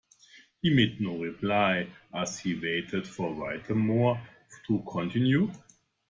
He made no reply as he waited for Whittemore to continue.